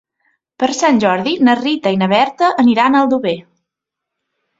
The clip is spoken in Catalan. Per Sant Jordi na Rita i na Berta aniran a Aldover.